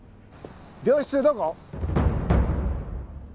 病室どこ？